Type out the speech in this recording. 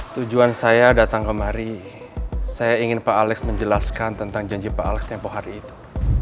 tujuan saya datang kemari saya ingin pak alex menjelaskan tentang janji pak alex tempoh hari itu